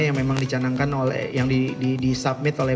yang memang dicanangkan oleh yang disubmit oleh